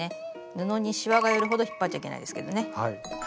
布にしわが寄るほど引っ張っちゃいけないですけどね。